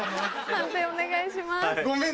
判定お願いします。